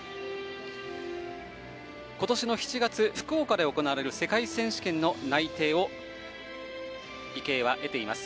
今年の７月、福岡で行われる世界選手権の内定を池江は得ています。